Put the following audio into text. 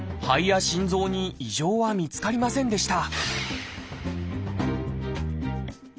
肺や心臓に異常は見つかりませんでした